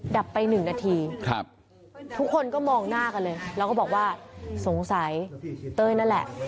ดับไป๑นาทีทุกคนก็มองหน้ากันเลยแล้วก็บอกว่าสงสัยเต้ยนั่นแหละ